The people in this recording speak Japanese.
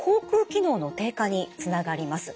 機能の低下につながります。